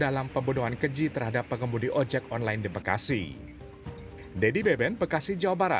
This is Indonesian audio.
dalam pembunuhan keji terhadap pengembudi ojek online di bekasi